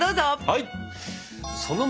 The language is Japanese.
はい！